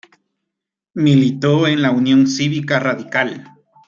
Militó en la Unión Cívica Radical.